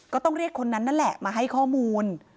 ก็ต้องเรียกคนนั้นนั่นแหละมาให้ข้อมูล